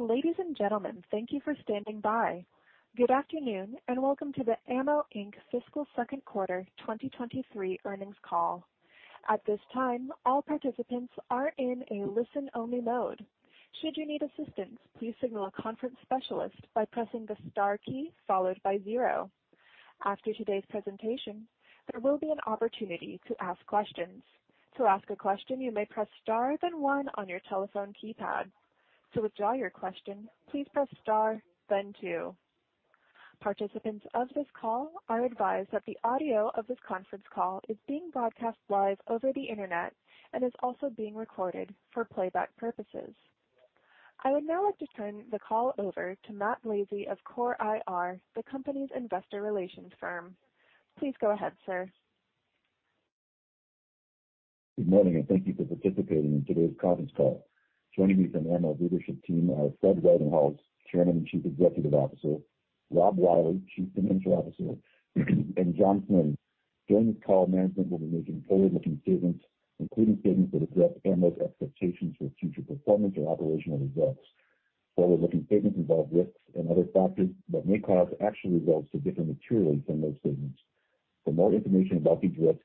Ladies and gentlemen, thank you for standing by. Good afternoon and welcome to the Ammo Inc. fiscal second quarter 2023 earnings call. At this time, all participants are in a listen-only mode. Should you need assistance, please signal a conference specialist by pressing the star key followed by zero. After today's presentation, there will be an opportunity to ask questions. To ask a question, you may press Star then one on your telephone keypad. To withdraw your question, please press Star then two. Participants of this call are advised that the audio of this conference call is being broadcast live over the internet and is also being recorded for playback purposes. I would now like to turn the call over to Matt Blazei of CORE IR, the company's investor relations firm. Please go ahead, sir. Good morning and thank you for participating in today's conference call. Joining me from Ammo leadership team are Fred Wagenhals, Chairman and Chief Executive Officer, Rob Wiley, Chief Financial Officer, and John Flynn. During this call, management will be making forward-looking statements, including statements that address Ammo expectations for future performance or operational results. Forward-looking statements involve risks and other factors that may cause actual results to differ materially from those statements. For more information about these risks,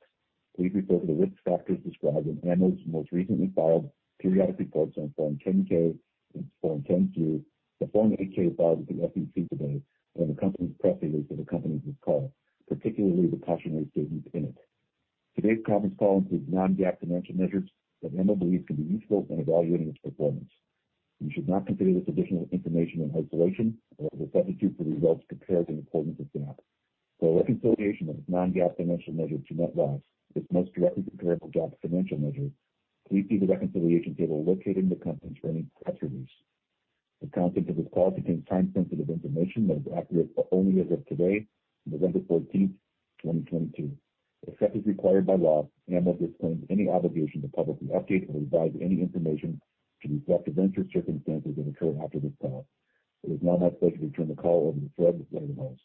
please refer to the risk factors described in Ammo's most recently filed periodic reports on Form 10-K and Form 10-Q, the Form 8-K filed with the SEC today and the company's press release for the company's call, particularly the cautionary statement in it. Today's conference call includes non-GAAP financial measures that Ammo believes can be useful in evaluating its performance. You should not consider this additional information in isolation or as a substitute for results compared to the importance of GAAP. For a reconciliation of non-GAAP financial measure to net loss, its most directly comparable GAAP financial measure, please see the reconciliation table located in the company's earnings press release. The content of this call contains time-sensitive information that is accurate only as of today, November fourteenth, 2022. Except as required by law, AMMO disclaims any obligation to publicly update or revise any information to reflect events or circumstances that occur after this call. It is now my pleasure to turn the call over to Fred Wagenhals.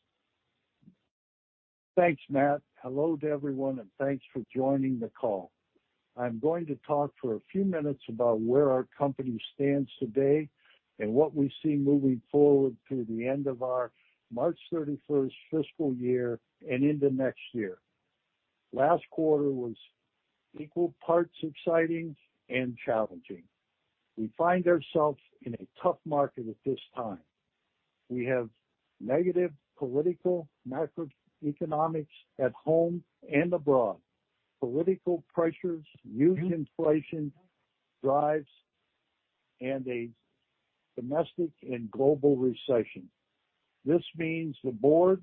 Thanks, Matt. Hello to everyone and thanks for joining the call. I'm going to talk for a few minutes about where our company stands today and what we see moving forward through the end of our March 31st fiscal year and into next year. Last quarter was equal parts exciting and challenging. We find ourselves in a tough market at this time. We have negative political macroeconomics at home and abroad, political pressures, huge inflation drives, and a domestic and global recession. This means the board,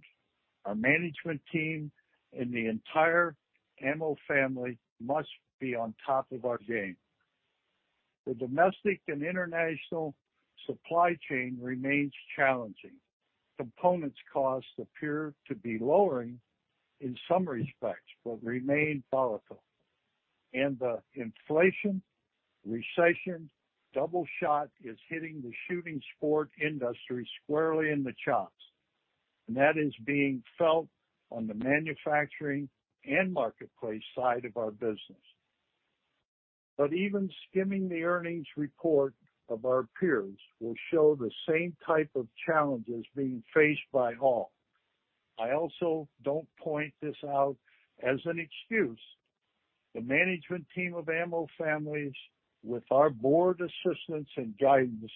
our management team, and the entire AMMO family must be on top of our game. The domestic and international supply chain remains challenging. Components costs appear to be lowering in some respects but remain volatile, and the inflation recession double shot is hitting the shooting sport industry squarely in the chops, and that is being felt on the manufacturing and marketplace side of our business. Even skimming the earnings report of our peers will show the same type of challenges being faced by all. I also don't point this out as an excuse. The management team of Ammo Families with our board assistance and guidance,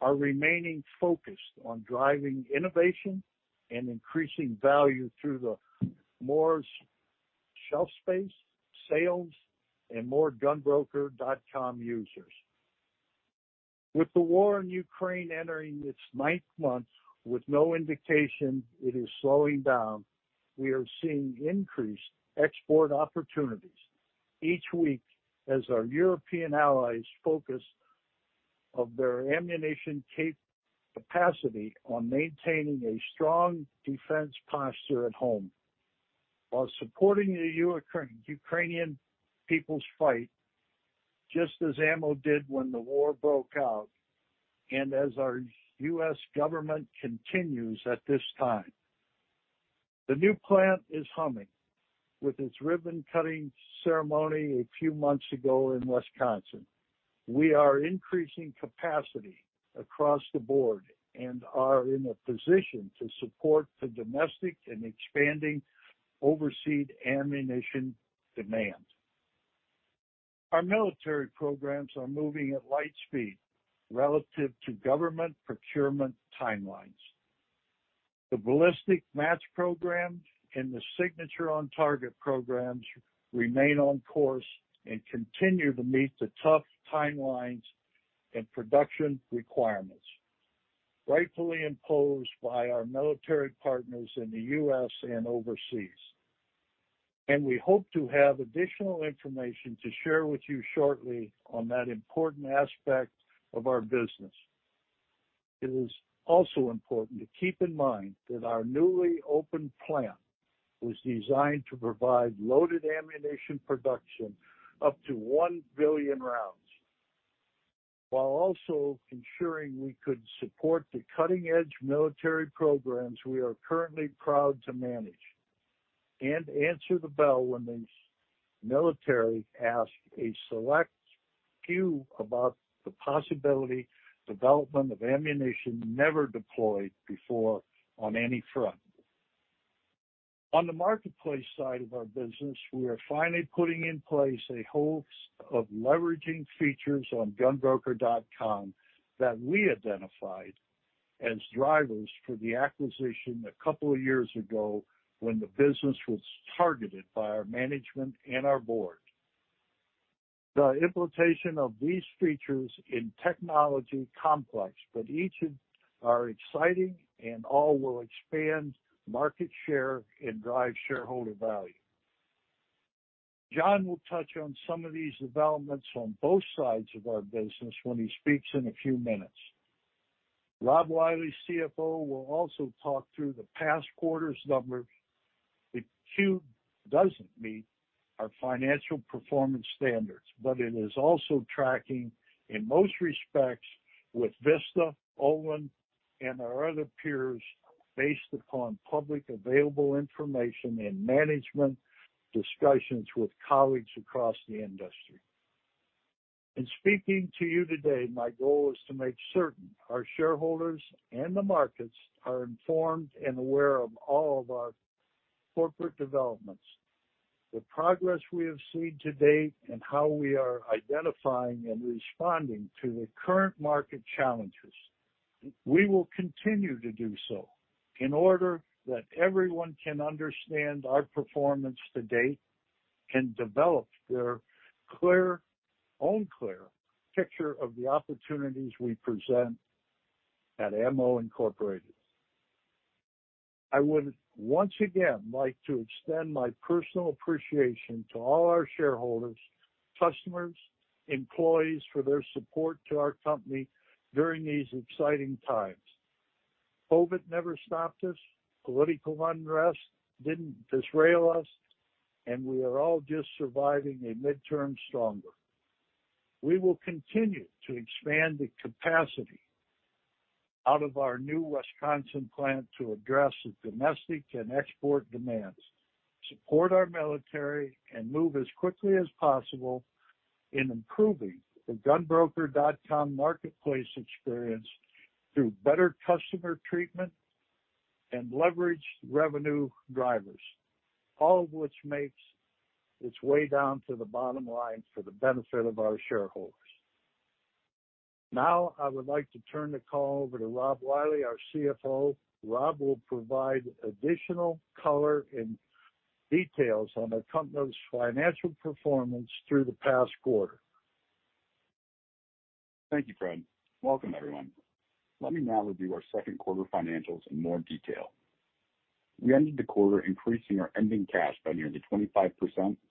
are remaining focused on driving innovation and increasing value through the more shelf space, sales, and more GunBroker.com users. With the war in Ukraine entering its ninth month with no indication it is slowing down, we are seeing increased export opportunities each week as our European allies focus on their ammunition capacity on maintaining a strong defense posture at home while supporting the Ukrainian people's fight, just as AMMO did when the war broke out and as our U.S. government continues at this time. The new plant is humming with its ribbon-cutting ceremony a few months ago in Wisconsin. We are increasing capacity across the board and are in a position to support the domestic and expanding overseas ammunition demand. Our military programs are moving at light speed relative to government procurement timelines. The Ballistic Match program and the Signature on Target programs remain on course and continue to meet the tough timelines and production requirements rightfully imposed by our military partners in the U.S. and overseas. We hope to have additional information to share with you shortly on that important aspect of our business. It is also important to keep in mind that our newly opened plant was designed to provide loaded ammunition production up to 1 billion rounds, while also ensuring we could support the cutting-edge military programs we are currently proud to manage. Answer the bell when the military asks a select few about the possible development of ammunition never deployed before on any front. On the marketplace side of our business, we are finally putting in place a host of leveraging features on GunBroker.com that we identified as drivers for the acquisition a couple of years ago when the business was targeted by our management and our board. The implementation of these features and technology complex, but each are exciting and all will expand market share and drive shareholder value. John will touch on some of these developments on both sides of our business when he speaks in a few minutes. Rob Wiley, CFO, will also talk through the past quarter's numbers. The quarter doesn't meet our financial performance standards, but it is also tracking in most respects with Vista, Olin, and our other peers based upon publicly available information and management discussions with colleagues across the industry. In speaking to you today, my goal is to make certain our shareholders and the markets are informed and aware of all of our corporate developments, the progress we have seen to date, and how we are identifying and responding to the current market challenges. We will continue to do so in order that everyone can understand our performance to date and develop their own clear picture of the opportunities we present at AMMO, Incorporated. I would once again like to extend my personal appreciation to all our shareholders, customers, employees for their support to our company during these exciting times. COVID never stopped us, political unrest didn't derail us, and we are all just surviving a midterm stronger. We will continue to expand the capacity out of our new Wisconsin plant to address the domestic and export demands, support our military, and move as quickly as possible in improving the GunBroker.com marketplace experience through better customer treatment and leverage revenue drivers, all of which makes its way down to the bottom line for the benefit of our shareholders. Now I would like to turn the call over to Rob Wiley, our CFO. Rob will provide additional color and details on the company's financial performance through the past quarter. Thank you, Fred. Welcome, everyone. Let me now review our second quarter financials in more detail. We ended the quarter increasing our ending cash by nearly 25%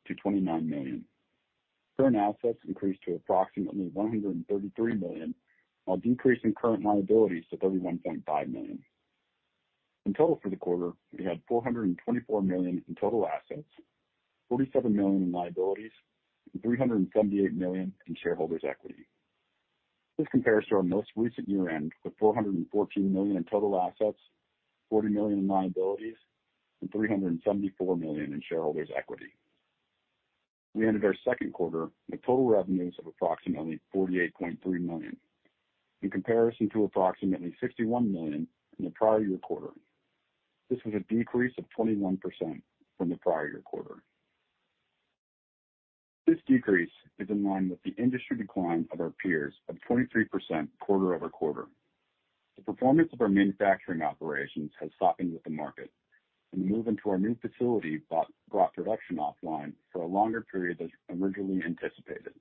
to $29 million. Current assets increased to approximately $133 million, while decreasing current liabilities to $31.5 million. In total for the quarter, we had $424 million in total assets, $47 million in liabilities, and $378 million in shareholders' equity. This compares to our most recent year-end with $414 million in total assets, $40 million in liabilities, and $374 million in shareholders' equity. We ended our second quarter with total revenues of approximately $48.3 million in comparison to approximately $61 million in the prior year quarter. This was a decrease of 21% from the prior year quarter. This decrease is in line with the industry decline of our peers of 23% quarter-over-quarter. The performance of our manufacturing operations has softened with the market, and the move into our new facility brought production offline for a longer period than originally anticipated.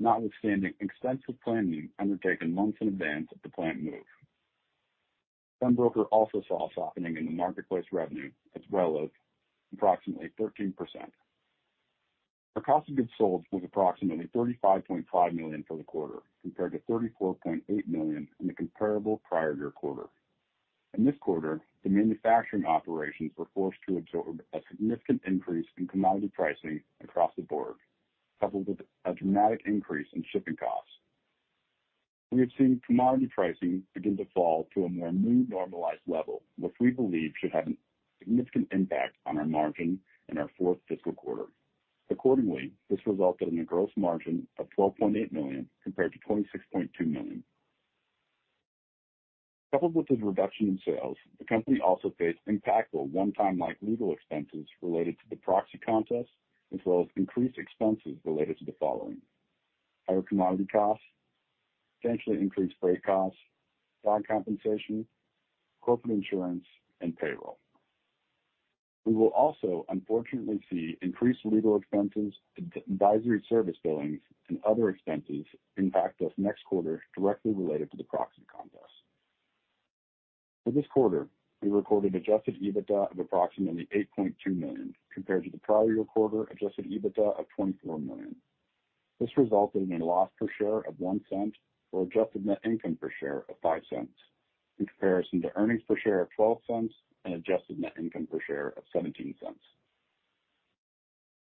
Notwithstanding extensive planning undertaken months in advance of the plant move. GunBroker also saw a softening in the marketplace revenue as well as approximately 13%. Our cost of goods sold was approximately $35.5 million for the quarter, compared to $34.8 million in the comparable prior year quarter. In this quarter, the manufacturing operations were forced to absorb a significant increase in commodity pricing across the board, coupled with a dramatic increase in shipping costs. We have seen commodity pricing begin to fall to a more new normalized level, which we believe should have a significant impact on our margin in our fourth fiscal quarter. Accordingly, this resulted in a gross margin of $12.8 million compared to $26.2 million. Coupled with the reduction in sales, the company also faced impactful one-time light legal expenses related to the proxy contest, as well as increased expenses related to the following. Higher commodity costs, substantially increased freight costs, bonus compensation, corporate insurance, and payroll. We will also unfortunately see increased legal expenses, advisory service billings, and other expenses impact us next quarter directly related to the proxy contest. For this quarter, we recorded adjusted EBITDA of approximately $8.2 million, compared to the prior year quarter adjusted EBITDA of $24 million. This resulted in a loss per share of $0.01 or adjusted net income per share of $0.05, in comparison to earnings per share of $0.12 and adjusted net income per share of $0.17.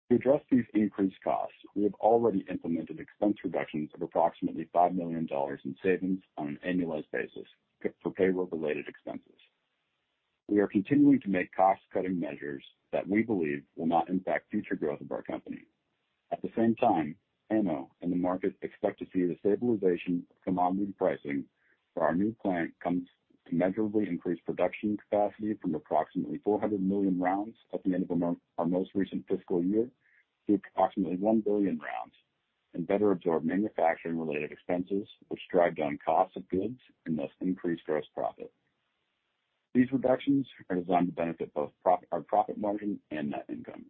To address these increased costs, we have already implemented expense reductions of approximately $5 million in savings on an annualized basis for payroll-related expenses. We are continuing to make cost-cutting measures that we believe will not impact future growth of our company. At the same time, AMMO and the market expect to see the stabilization of commodity pricing as our new plant comes to measurably increase production capacity from approximately 400 million rounds at the end of our most recent fiscal year to approximately 1 billion rounds and better absorb manufacturing-related expenses, which drive down cost of goods and thus increase gross profit. These reductions are designed to benefit both our profit margin and net income.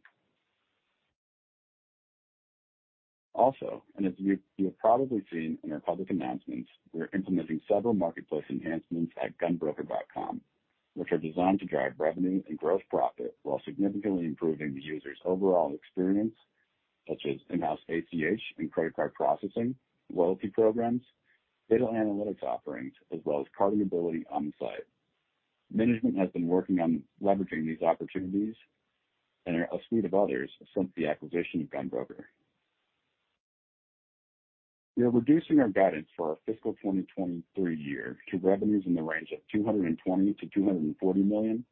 As you have probably seen in our public announcements, we are implementing several marketplace enhancements at GunBroker.com, which are designed to drive revenue and gross profit while significantly improving the user's overall experience, such as in-house ACH and credit card processing, loyalty programs, data analytics offerings, as well as cart ability on-site. Management has been working on leveraging these opportunities and a suite of others since the acquisition of GunBroker. We are reducing our guidance for our fiscal 2023 year to revenues in the range of $220 million-$240 million,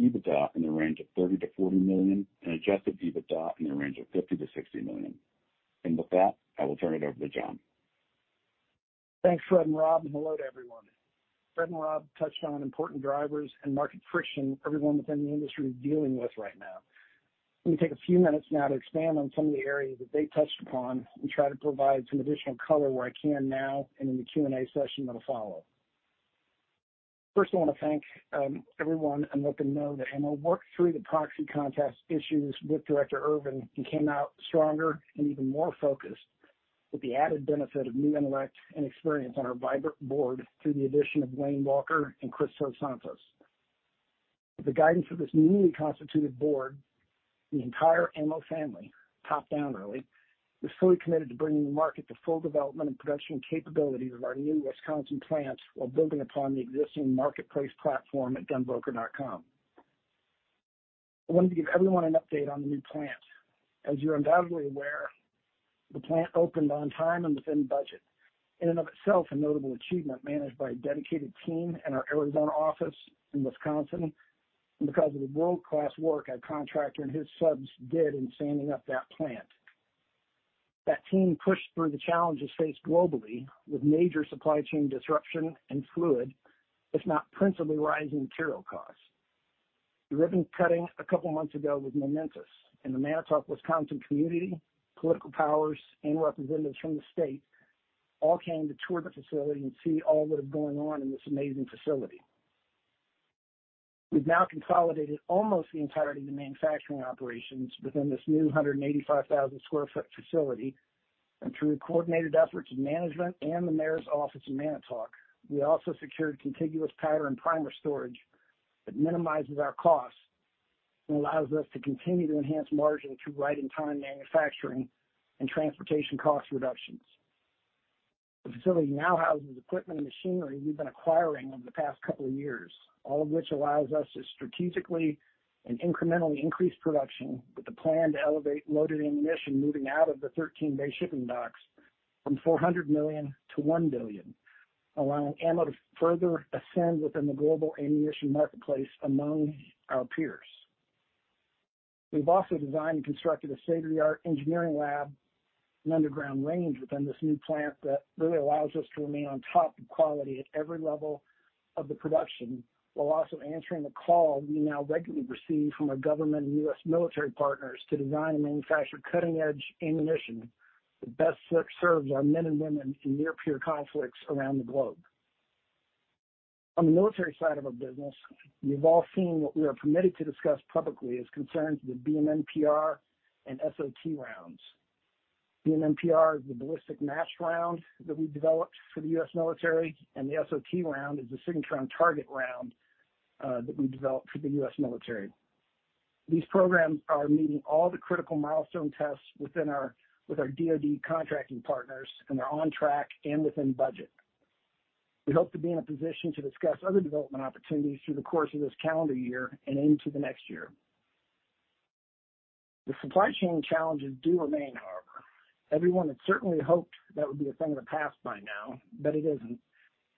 EBITDA in the range of $30 million-$40 million, and adjusted EBITDA in the range of $50 million-$60 million. With that, I will turn it over to John. Thanks, Fred and Rob, and hello to everyone. Fred and Rob touched on important drivers and market friction everyone within the industry is dealing with right now. Let me take a few minutes now to expand on some of the areas that they touched upon and try to provide some additional color where I can now and in the Q&A session that'll follow. First, I want to thank everyone and let them know that AMMO worked through the proxy contest issues with Director Urvan and came out stronger and even more focused with the added benefit of new intellect and experience on our vibrant board through the addition of Wayne Walker and Christos Tsentas. With the guidance of this newly constituted board, the entire AMMO family, top down really, is fully committed to bringing the market the full development and production capabilities of our new Wisconsin plant while building upon the existing marketplace platform at GunBroker.com. I wanted to give everyone an update on the new plant. As you're undoubtedly aware, the plant opened on time and within budget, in and of itself a notable achievement managed by a dedicated team in our Arizona office in Wisconsin, and because of the world-class work our contractor and his subs did in standing up that plant. That team pushed through the challenges faced globally with major supply chain disruption and fluid, if not principally rising material costs. The ribbon cutting a couple months ago was momentous, and the Manitowoc, Wisconsin community, political powers, and representatives from the state all came to tour the facility and see all that is going on in this amazing facility. We've now consolidated almost the entirety of the manufacturing operations within this new 185,000 sq ft facility, and through coordinated efforts of management and the mayor's office in Manitowoc, we also secured contiguous powder and primer storage that minimizes our costs and allows us to continue to enhance margin through just-in-time manufacturing and transportation cost reductions. The facility now houses equipment and machinery we've been acquiring over the past couple of years, all of which allows us to strategically and incrementally increase production with the plan to elevate loaded ammunition moving out of the 13 bay shipping docks from 400 million-1 billion, allowing Ammo to further ascend within the global ammunition marketplace among our peers. We've also designed and constructed a state-of-the-art engineering lab and underground range within this new plant that really allows us to remain on top of quality at every level of the production, while also answering the call we now regularly receive from our government and U.S. military partners to design and manufacture cutting-edge ammunition that best serves our men and women in near-peer conflicts around the globe. On the military side of our business, you've all seen what we are permitted to discuss publicly as concerns the BMNPR and SOT rounds. BMNPR is the Ballistic Match round that we developed for the U.S. military, and the SOT round is the Signature on Target round that we developed for the U.S. military. These programs are meeting all the critical milestone tests within our, with our DoD contracting partners, and they're on track and within budget. We hope to be in a position to discuss other development opportunities through the course of this calendar year and into the next year. The supply chain challenges do remain, however. Everyone had certainly hoped that would be a thing of the past by now, but it isn't.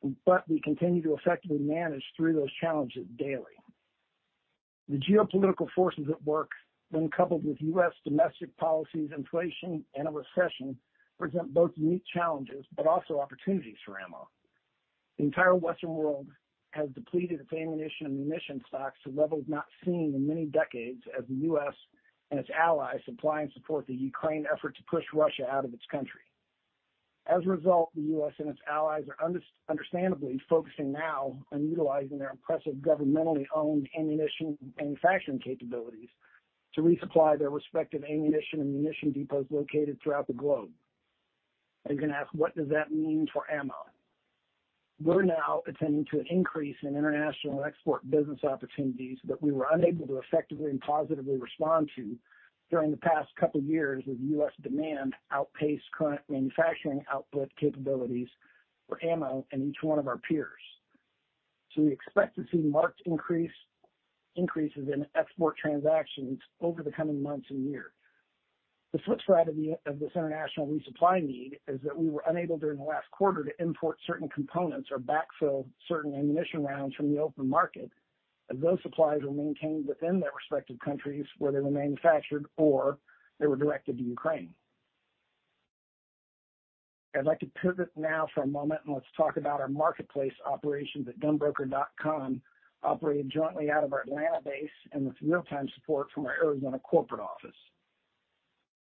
We continue to effectively manage through those challenges daily. The geopolitical forces at work, when coupled with U.S. domestic policies, inflation, and a recession, present both unique challenges but also opportunities for AMMO. The entire Western world has depleted its ammunition and munition stocks to levels not seen in many decades as the U.S. and its allies supply and support the Ukraine effort to push Russia out of its country. As a result, the U.S. and its allies are understandably focusing now on utilizing their impressive governmentally owned ammunition manufacturing capabilities to resupply their respective ammunition and munition depots located throughout the globe. You're going to ask, what does that mean for AMMO? We're now attending to an increase in international export business opportunities that we were unable to effectively and positively respond to during the past couple of years as U.S. demand outpaced current manufacturing output capabilities for AMMO and each one of our peers. We expect to see marked increase in export transactions over the coming months and year. The flip side of this international resupply need is that we were unable during the last quarter to import certain components or backfill certain ammunition rounds from the open market, as those supplies were maintained within their respective countries where they were manufactured or they were directed to Ukraine. I'd like to pivot now for a moment and let's talk about our marketplace operations at GunBroker.com, operating jointly out of our Atlanta base and with real-time support from our Arizona corporate office.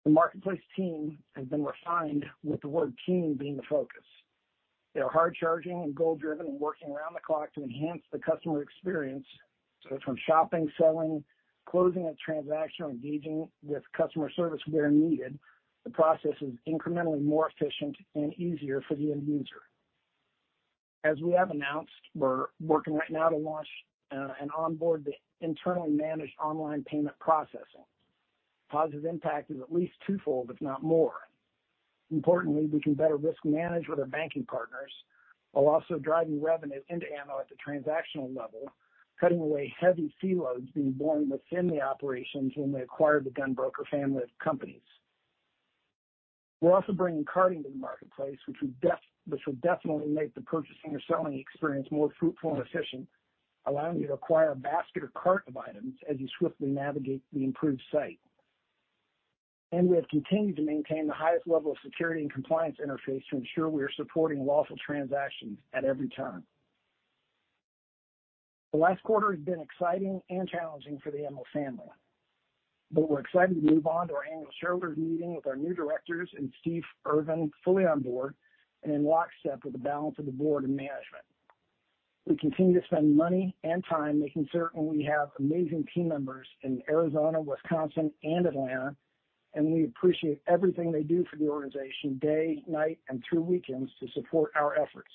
The marketplace team has been refined with the word team being the focus. They are hard-charging and goal-driven and working around the clock to enhance the customer experience, so that from shopping, selling, closing a transaction, or engaging with customer service where needed, the process is incrementally more efficient and easier for the end user. As we have announced, we're working right now to launch and onboard the internally managed online payment processing. Positive impact is at least twofold, if not more. Importantly, we can better risk manage with our banking partners while also driving revenue into AMMO at the transactional level, cutting away heavy fee loads being borne within the operations when we acquired the GunBroker.com family of companies. We're also bringing carting to the marketplace, which will definitely make the purchasing or selling experience more fruitful and efficient, allowing you to acquire a basket or cart of items as you swiftly navigate the improved site. We have continued to maintain the highest level of security and compliance interface to ensure we are supporting lawful transactions at every turn. The last quarter has been exciting and challenging for the AMMO family, but we're excited to move on to our annual shareholders meeting with our new directors and Steve Urvan fully on board and in lockstep with the balance of the board and management. We continue to spend money and time making certain we have amazing team members in Arizona, Wisconsin, and Atlanta, and we appreciate everything they do for the organization day, night, and through weekends to support our efforts.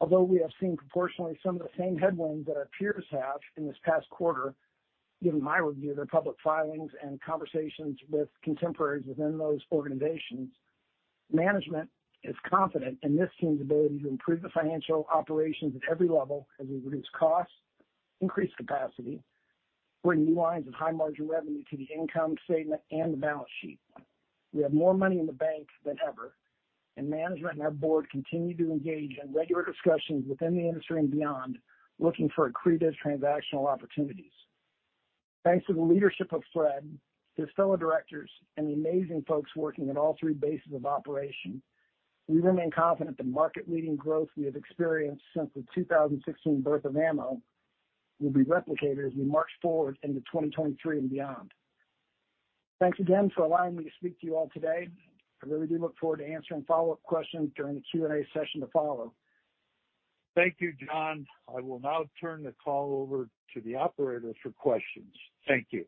Although we have seen proportionally some of the same headwinds that our peers have in this past quarter, given my review of their public filings and conversations with contemporaries within those organizations, management is confident in this team's ability to improve the financial operations at every level as we reduce costs, increase capacity, bring new lines of high margin revenue to the income statement and the balance sheet. We have more money in the bank than ever, and management and our board continue to engage in regular discussions within the industry and beyond, looking for accretive transactional opportunities. Thanks to the leadership of Fred, his fellow directors, and the amazing folks working at all three bases of operation, we remain confident the market-leading growth we have experienced since the 2016 birth of AMMO will be replicated as we march forward into 2023 and beyond. Thanks again for allowing me to speak to you all today. I really do look forward to answering follow-up questions during the Q&A session to follow. Thank you, John. I will now turn the call over to the operator for questions. Thank you.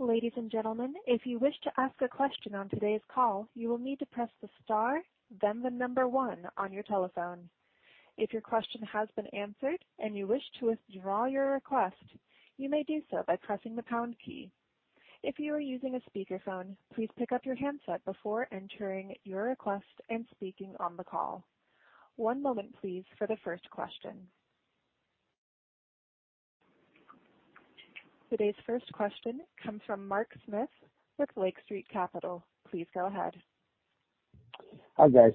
Ladies and gentlemen, if you wish to ask a question on today's call, you will need to press the star, then the number one on your telephone. If your question has been answered and you wish to withdraw your request, you may do so by pressing the pound key. If you are using a speakerphone, please pick up your handset before entering your request and speaking on the call. One moment please for the first question. Today's first question comes from Mark Smith with Lake Street Capital Markets. Please go ahead. Hi, guys.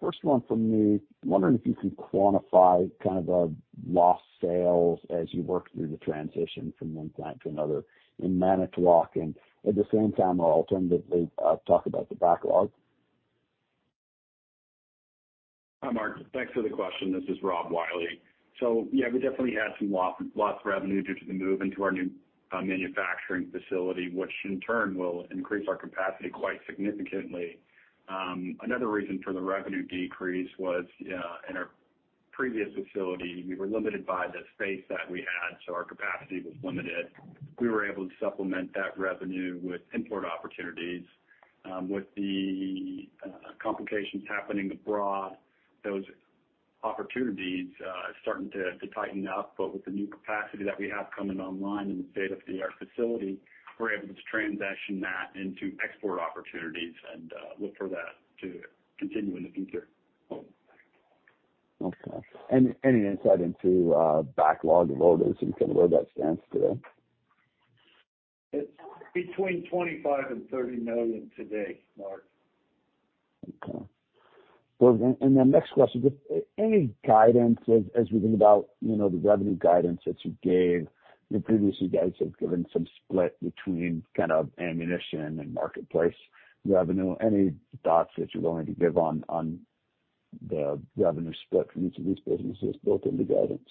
First one from me, wondering if you can quantify kind of the lost sales as you work through the transition from one plant to another in Manitowoc and at the same time or alternatively, talk about the backlog. Hi, Mark. Thanks for the question. This is Rob Wiley. Yeah, we definitely had some lost revenue due to the move into our new manufacturing facility, which in turn will increase our capacity quite significantly. Another reason for the revenue decrease was in our previous facility, we were limited by the space that we had, so our capacity was limited. We were able to supplement that revenue with import opportunities. With the complications happening abroad, those opportunities starting to tighten up. With the new capacity that we have coming online in the state-of-the-art facility, we're able to transition that into export opportunities and look for that to continue in the future. Okay. Any insight into backlog orders and kind of where that stands today? It's between $25 million and $30 million today, Mark. Okay. Well, next question, just any guidance as we think about, you know, the revenue guidance that you gave. You previously guys have given some split between kind of ammunition and marketplace revenue. Any thoughts that you're willing to give on the revenue split from each of these businesses built into guidance?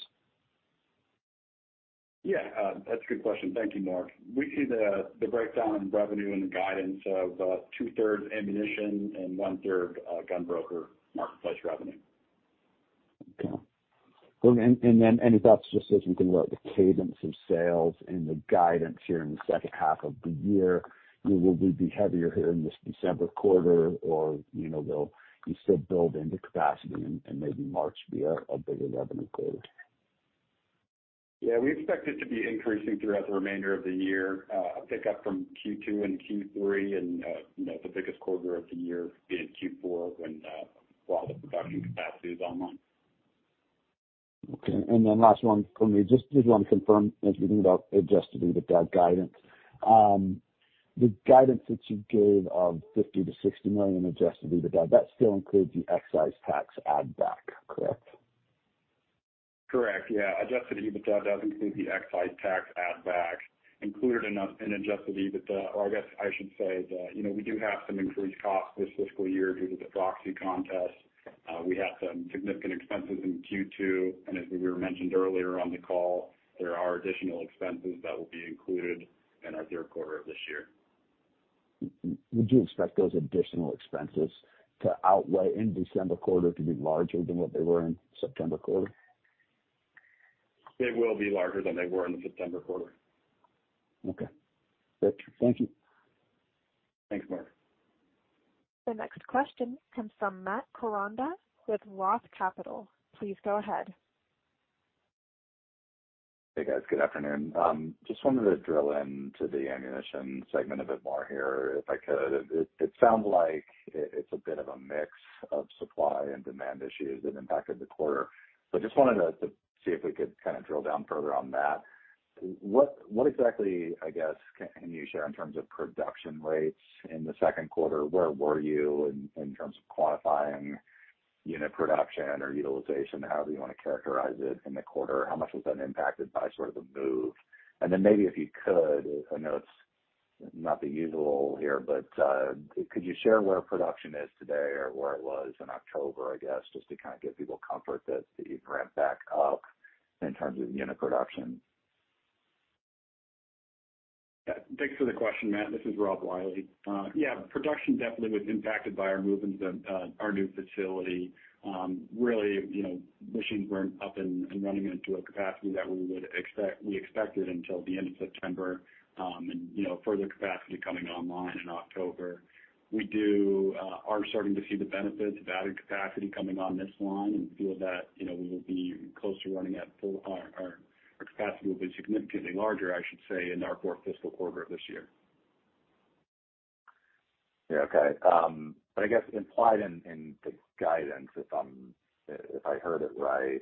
That's a good question. Thank you, Mark. We see the breakdown in revenue and the guidance of 2/3 ammunition and 1/3 GunBroker marketplace revenue. Okay. Well, then any thoughts just as we think about the cadence of sales and the guidance here in the second half of the year? Will we be heavier here in this December quarter or, you know, there'll be still building into capacity and maybe March be a bigger revenue quarter? Yeah, we expect it to be increasing throughout the remainder of the year, a pick up from Q2 and Q3 and, you know, the biggest quarter of the year being Q4 while the production capacity is online. Okay. Last one for me, just want to confirm as we think about adjusted EBITDA guidance. The guidance that you gave of $50 million-$60 million adjusted EBITDA, that still includes the excise tax add back, correct? Correct. Yeah. Adjusted EBITDA does include the excise tax add back included in adjusted EBITDA. I guess I should say that, you know, we do have some increased costs this fiscal year due to the proxy contest. We had some significant expenses in Q2, and as we mentioned earlier on the call, there are additional expenses that will be included in our third quarter of this year. Would you expect those additional expenses to outweigh in December quarter to be larger than what they were in September quarter? They will be larger than they were in the September quarter. Okay, great. Thank you. Thanks, Mark. The next question comes from Matt Koranda with Roth Capital. Please go ahead. Hey, guys. Good afternoon. Just wanted to drill into the ammunition segment a bit more here, if I could. It sounds like it's a bit of a mix of supply and demand issues that impacted the quarter. Just wanted to see if we could kind of drill down further on that. What exactly, I guess, can you share in terms of production rates in the second quarter? Where were you in terms of quantifying unit production or utilization, however you want to characterize it in the quarter? How much was that impacted by sort of the move? Maybe if you could, I know it's not the usual here, but, could you share where production is today or where it was in October, I guess, just to kind of give people comfort that you've ramped back up in terms of unit production? Thanks for the question, Matt. This is Rob Wiley. Yeah, production definitely was impacted by our move into our new facility. Really, you know, machines weren't up and running into a capacity that we expected until the end of September, and, you know, further capacity coming online in October. We are starting to see the benefits of added capacity coming online and feel that, you know, we will be close to running at full. Our capacity will be significantly larger, I should say, in our fourth fiscal quarter of this year. Yeah. Okay. I guess implied in the guidance, if I heard it right,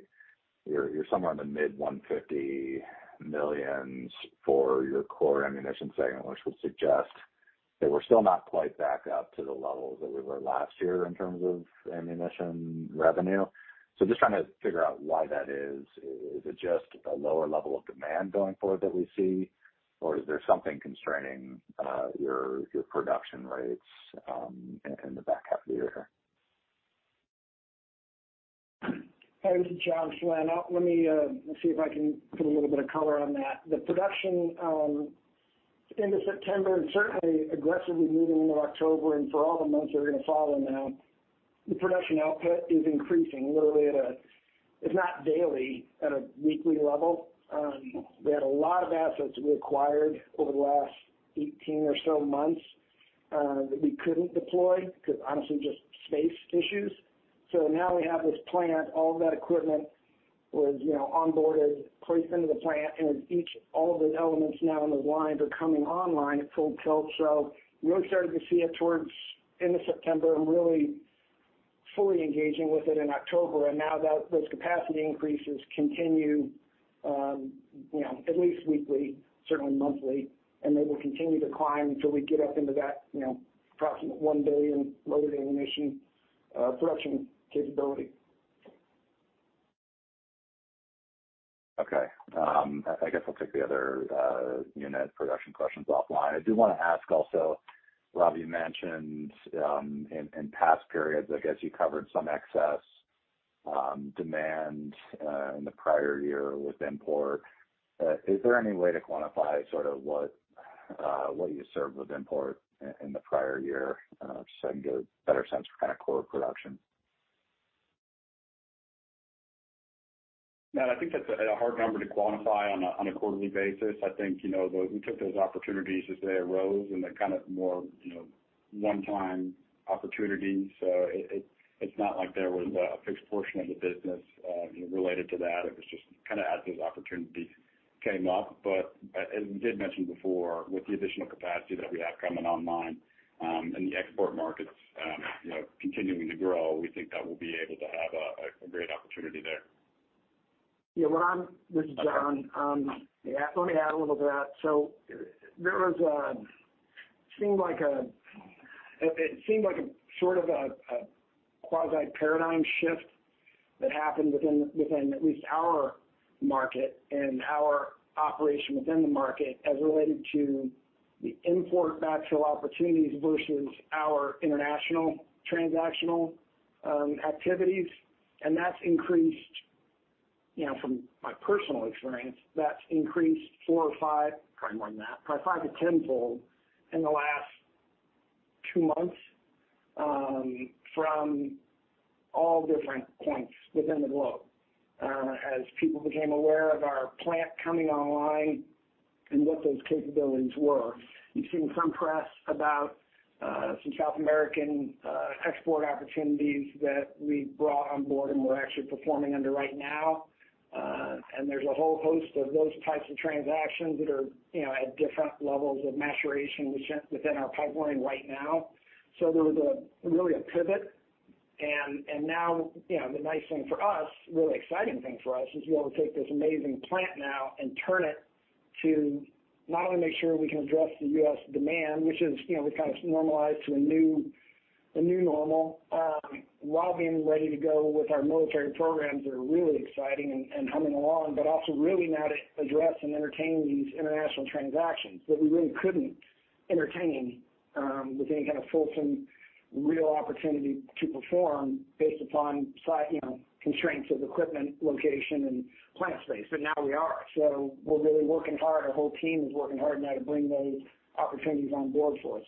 you're somewhere in the mid-$150 million for your core ammunition segment, which would suggest that we're still not quite back up to the levels that we were last year in terms of ammunition revenue. Just trying to figure out why that is. Is it just a lower level of demand going forward that we see, or is there something constraining your production rates in the back half of the year? Hey, this is John Flynn. Let me see if I can put a little bit of color on that. The production end of September and certainly aggressively moving into October and for all the months that are going to follow now, the production output is increasing literally at a weekly level. We had a lot of assets we acquired over the last 18 or so months that we couldn't deploy because honestly, just space issues. Now we have this plant. All of that equipment was, you know, onboarded, placed into the plant, and all of the elements now in the lines are coming online at full tilt. We really started to see it towards end of September and really fully engaging with it in October. Now that those capacity increases continue, you know, at least weekly, certainly monthly, and they will continue to climb until we get up into that, you know, approximate 1 billion loaded ammunition production capability. Okay. I guess I'll take the other unit production questions offline. I do want to ask also, Rob, you mentioned in past periods, I guess you covered some excess demand in the prior year with import. Is there any way to quantify sort of what you served with import in the prior year? Just so I can get a better sense for kind of core production. Matt, I think that's a hard number to quantify on a quarterly basis. I think, you know, we took those opportunities as they arose and they're kind of more, you know, one-time opportunities. It's not like there was a fixed portion of the business, you know, related to that. It was just kind of as those opportunities came up. As we did mention before, with the additional capacity that we have coming online, and the export markets, you know, continuing to grow, we think that we'll be able to have a great opportunity there. Yeah. Well, this is John. Yeah, let me add a little to that. It seemed like a sort of a quasi paradigm shift that happened within at least our market and our operation within the market as related to the import backfill opportunities versus our international transactional activities. That's increased, you know, from my personal experience. That's increased four or five, probably more than that, probably five- to 10-fold in the last two months from all different points within the globe. As people became aware of our plant coming online. What those capabilities were. You've seen some press about some South American export opportunities that we brought on board and we're actually performing under right now. There's a whole host of those types of transactions that are, you know, at different levels of maturation within our pipeline right now. There was really a pivot. Now, you know, the nice thing for us, really exciting thing for us is we ought to take this amazing plant now and turn it to not only make sure we can address the U.S. demand, which is, you know, we kind of normalized to a new normal, while being ready to go with our military programs that are really exciting and humming along, but also really now to address and entertain these international transactions that we really couldn't entertain, with any kind of fulsome real opportunity to perform based upon you know, constraints of equipment, location, and plant space. Now we are. We're really working hard. Our whole team is working hard now to bring those opportunities on board for us.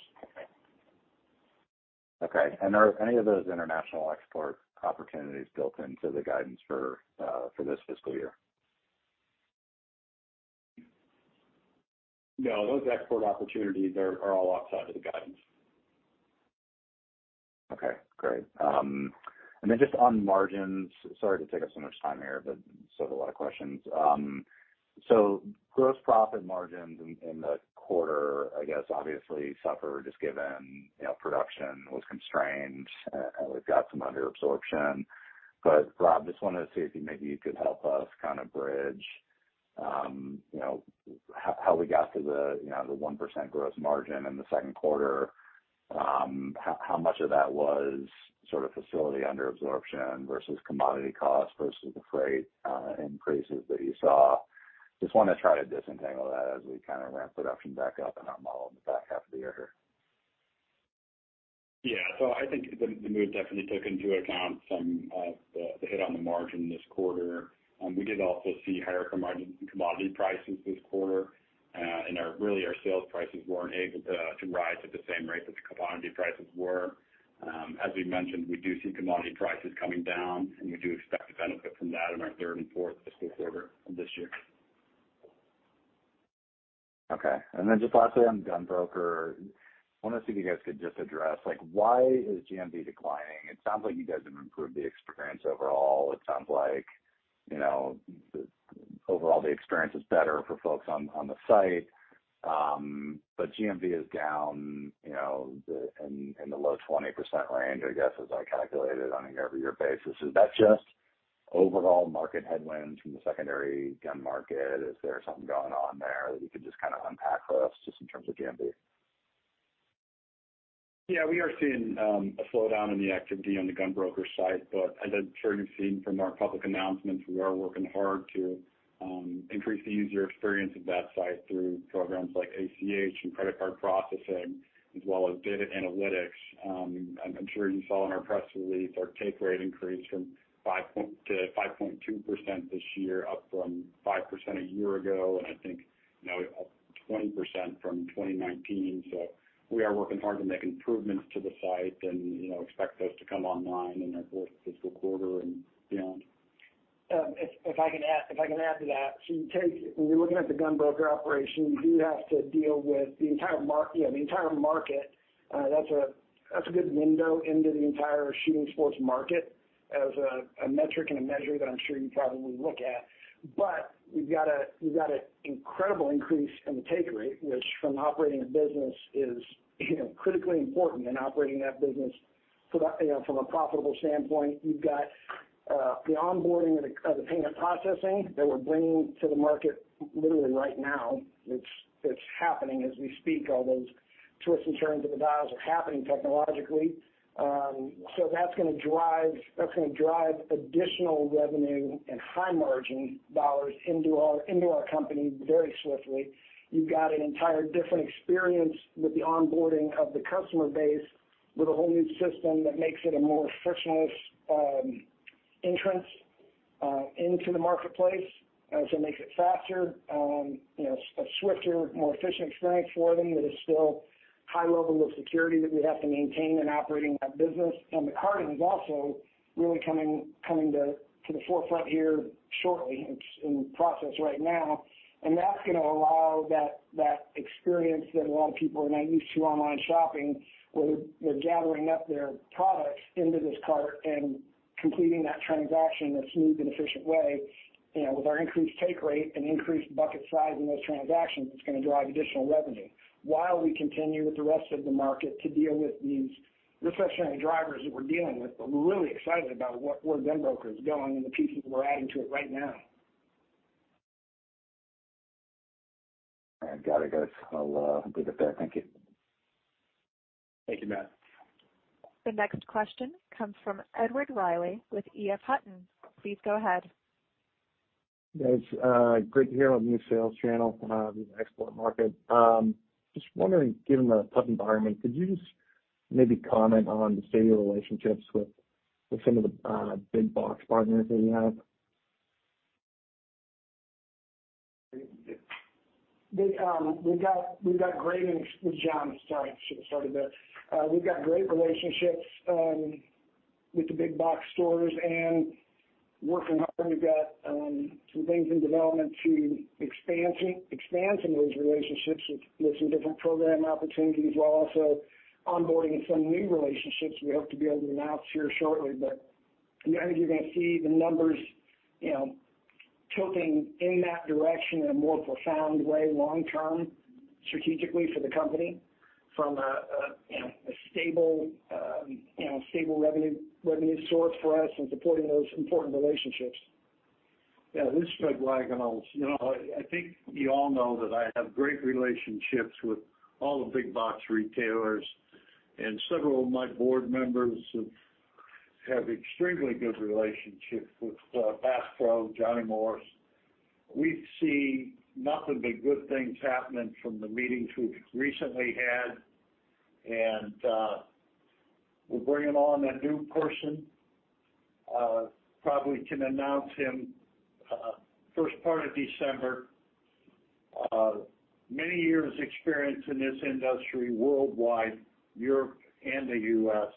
Okay. Are any of those international export opportunities built into the guidance for this fiscal year? No, those export opportunities are all outside of the guidance. Okay, great. Just on margins. Sorry to take up so much time here, but still have a lot of questions. Gross profit margins in the quarter, I guess obviously suffered just given, you know, production was constrained, and we've got some under absorption. Rob, just wanted to see if you maybe could help us kind of bridge, you know, how we got to the, you know, the 1% gross margin in the second quarter. How much of that was sort of facility under absorption versus commodity costs versus the freight increases that you saw? Just wanna try to disentangle that as we kind of ramp production back up in our model in the back half of the year. Yeah. I think the move definitely took into account some of the hit on the margin this quarter. We did also see higher commodity prices this quarter. Our sales prices weren't able to rise at the same rate that the commodity prices were. As we mentioned, we do see commodity prices coming down, and we do expect to benefit from that in our third and fourth fiscal quarter of this year. Okay. Just lastly on GunBroker, I wanna see if you guys could just address like why is GMV declining? It sounds like you guys have improved the experience overall. It sounds like, you know, overall the experience is better for folks on the site. But GMV is down, you know, in the low 20% range, I guess, as I calculated on a year-over-year basis. Is that just overall market headwinds from the secondary gun market? Is there something going on there that you could just kind of unpack for us just in terms of GMV? Yeah, we are seeing a slowdown in the activity on the GunBroker.com site. As I'm sure you've seen from our public announcements, we are working hard to increase the user experience of that site through programs like ACH and credit card processing as well as data analytics. I'm sure you saw in our press release our take rate increased to 5.2% this year, up from 5% a year ago, and I think, you know, up 20% from 2019. We are working hard to make improvements to the site and, you know, expect those to come online in our fourth fiscal quarter and beyond. If I can add to that. When you're looking at the GunBroker.com operation, you do have to deal with the entire market, you know, the entire market. That's a good window into the entire shooting sports market as a metric and a measure that I'm sure you probably look at. But you've got an incredible increase in the take rate, which from operating a business is, you know, critically important in operating that business from a, you know, from a profitable standpoint. You've got the onboarding of the payment processing that we're bringing to the market literally right now. It's happening as we speak. All those twists and turns of the dials are happening technologically. That's gonna drive additional revenue and high margin dollars into our company very swiftly. You've got an entire different experience with the onboarding of the customer base, with a whole new system that makes it a more frictionless entrance into the marketplace. It makes it faster, you know, a swifter, more efficient experience for them that is still high level of security that we have to maintain in operating that business. The carting is also really coming to the forefront here shortly. It's in process right now. That's gonna allow that experience that a lot of people are now used to online shopping, where they're gathering up their products into this cart and completing that transaction in a smooth and efficient way. You know, with our increased take rate and increased bucket size in those transactions, it's gonna drive additional revenue while we continue with the rest of the market to deal with these discretionary drivers that we're dealing with. We're really excited about where GunBroker is going and the pieces we're adding to it right now. I've got it, guys. I'll leave it there. Thank you. Thank you, Matt. The next question comes from Edward Riley with EF Hutton. Please go ahead. Yes, great to hear on new sales channel, the export market. Just wondering, given the tough environment, could you just maybe comment on the state of your relationships with some of the big box partners that you have? With John, sorry, should've started there. We've got great relationships with the big box stores and working hard. We've got some things in development to expanding those relationships with some different program opportunities. We're also onboarding some new relationships we hope to be able to announce here shortly. I think you're gonna see the numbers, you know, tilting in that direction in a more profound way long term strategically for the company from a stable revenue source for us and supporting those important relationships. Yeah. This is Fred Wagenhals. You know, I think you all know that I have great relationships with all the big box retailers, and several of my board members have extremely good relationships with Bass Pro Shops, Johnny Morris. We've seen nothing but good things happening from the meetings we've recently had. We're bringing on a new person, probably can announce him first part of December. Many years experience in this industry worldwide, Europe and the US.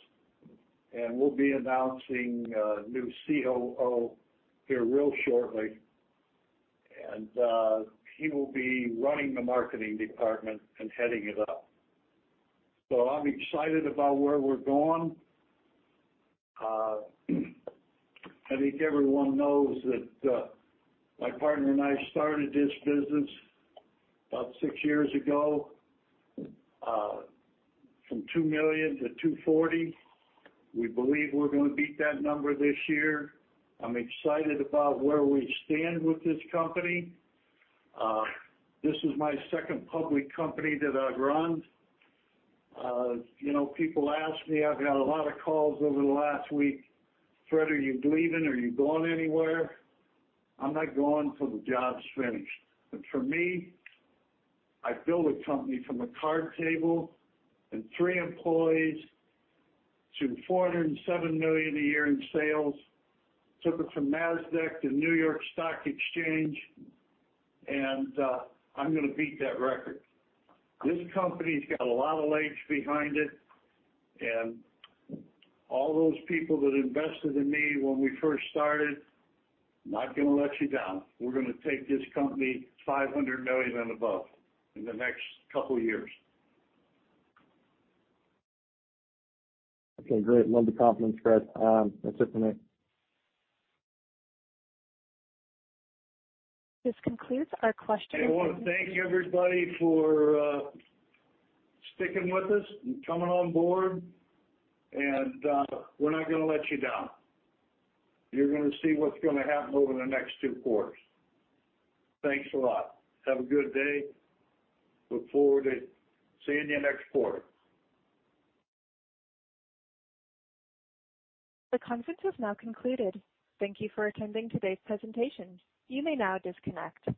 We'll be announcing a new COO here real shortly, and he will be running the marketing department and heading it up. I'm excited about where we're going. I think everyone knows that my partner and I started this business about six years ago from $2 million-$240 million. We believe we're gonna beat that number this year. I'm excited about where we stand with this company. This is my second public company that I've run. You know, people ask me. I've got a lot of calls over the last week. "Fred, are you leaving? Are you going anywhere?" I'm not going till the job's finished. For me, I built a company from a card table and three employees to $407 million a year in sales. Took it from Nasdaq to New York Stock Exchange. I'm gonna beat that record. This company's got a lot of legs behind it, and all those people that invested in me when we first started. I'm not gonna let you down. We're gonna take this company $500 million and above in the next couple of years. Okay, great. Love the confidence, Fred. That's it for me. This concludes our question. I wanna thank everybody for sticking with us and coming on board, and we're not gonna let you down. You're gonna see what's gonna happen over the next two quarters. Thanks a lot. Have a good day. Look forward to seeing you next quarter. The conference has now concluded. Thank you for attending today's presentation. You may now disconnect.